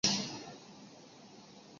眼泪都快流出来了